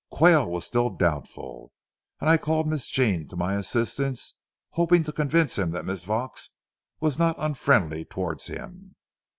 Quayle was still doubtful, and I called Miss Jean to my assistance, hoping to convince him that Miss Vaux was not unfriendly towards him.